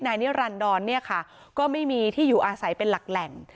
นิรันดรเนี่ยค่ะก็ไม่มีที่อยู่อาศัยเป็นหลักแหล่ง